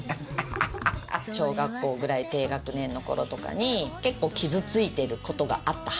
小学校ぐらい低学年のころとかに結構傷ついてることがあったはずなんだよね。